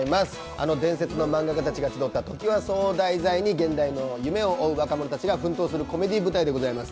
あの伝説の漫画家たちが集ったトキワ荘を題材に現代の夢を追う若者たちが奮闘するコメディー舞台でございます。